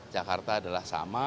jakarta adalah sama